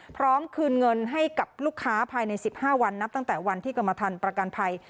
พร้อมคืนเงินให้กับลูกค้าภายใน๑๕วันนับตั้งแต่วันที่กรมทันประกันภัย